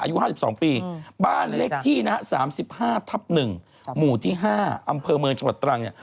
อายุ๕๒ปีบ้านเล็กที่๓๕ทับ๑หมู่ที่๕อำเภอเมืองชะวัดตรัง